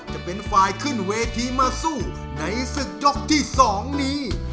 จะเป็นฝ่ายขึ้นเวทีมาสู้ในศึกยกที่๒นี้